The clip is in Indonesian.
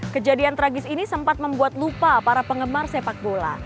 kejadian tragis ini sempat membuat lupa para penggemar sepak bola